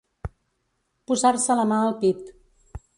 Posar-se la mà al pit.